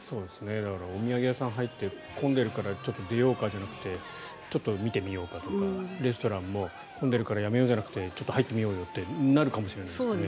だからお土産屋さんに入って混んでいるからちょっと出ようかじゃなくてちょっと見てみようかとかレストランも混んでいるからやめようじゃなくてちょっと入ってみようってなるかもしれないですよね。